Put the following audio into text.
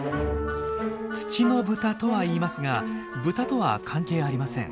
「土のブタ」とは言いますがブタとは関係ありません。